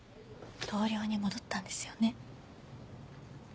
同僚に戻ったんですよね？